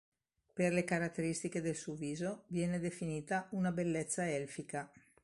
Per le caratteristiche del suo viso viene definita una "bellezza elfica".